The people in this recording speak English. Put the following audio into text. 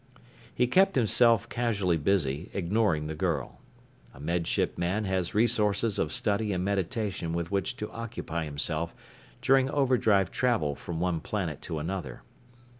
He kept himself casually busy, ignoring the girl. A Med Ship man has resources of study and meditation with which to occupy himself during overdrive travel from one planet to another.